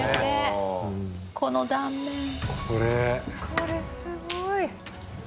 これすごい。